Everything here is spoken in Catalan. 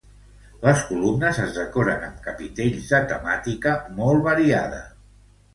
Les columnes es decoren amb capitells de temàtica molt variada.